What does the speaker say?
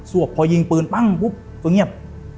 พอยิงปืนปั้งปุ๊บก็เงียบ